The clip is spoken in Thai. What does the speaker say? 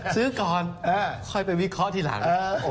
ซื้อก่อนค่อยไปวิเคราะห์ทีหลัง